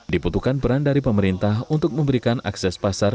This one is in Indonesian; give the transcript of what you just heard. dibutuhkan peran dari pemerintah untuk memberikan akses pasar